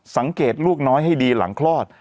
สังเกตลูกน้อยให้ดีหลังคลอด